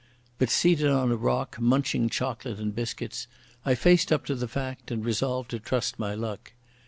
But, seated on a rock munching chocolate and biscuits, I faced up to the fact and resolved to trust my luck.